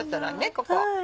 ここ。